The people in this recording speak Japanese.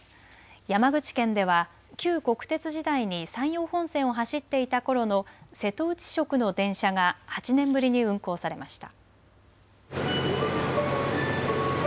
山口県では旧国鉄時代に山陽本線を走っていたころの瀬戸内色の電車が８年ぶりに運行されました。